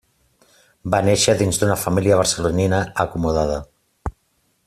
Va néixer dins d'una família barcelonina acomodada.